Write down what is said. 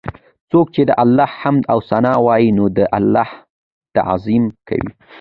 څوک چې د الله حمد او ثناء وايي، نو دی د الله تعظيم کوي